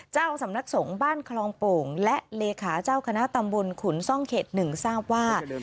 เจ้าสำนักสงฆ์บ้านคลองโป่งและเลขาเจ้าคณะตำบลขุนซ่องเขต๑ทราบว่า